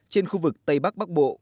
trên khu vực tây bắc bắc bộ